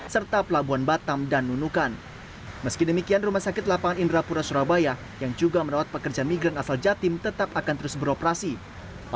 setelah desember ada dua opsi bagi rumah sakit lapangan indrapura